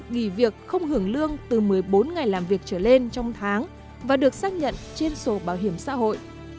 nghỉ việc không hưởng lương từ một mươi bốn ngày làm việc trở lên trong tháng và được xác nhận trên sổ bảo hiểm xã hội